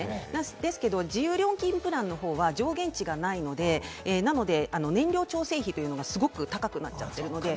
ですけど、自由料金プランの方は条件値がないので、なので燃料調整費がすごく高くなっちゃうんです。